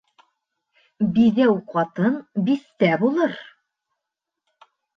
Биҙәү ҡатын биҫтә булыр.